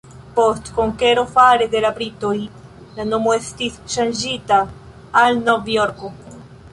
Post konkero fare de la britoj la nomo estis ŝanĝita al Novjorko.